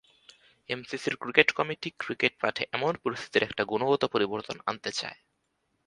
এমসিসির cricket committee cricket মাঠে এমন পরিস্থিতির একটা গুণগত পরিবর্তন আনতে চায়।